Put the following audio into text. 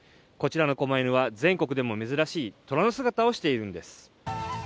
こちらのこま犬は全国でも珍しい虎の姿をしているんです。